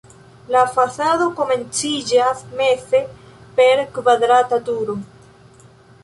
La fasado komenciĝas meze per kvadrata turo.